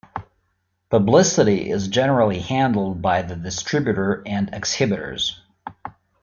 Publicity is generally handled by the distributor and exhibitors.